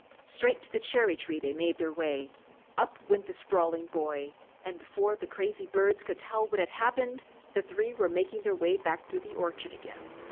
Straight to the cherry tree they made their way, up went the sprawling boy, and before the crazy birds could tell what had happened, the three were making their way back through the orchard again.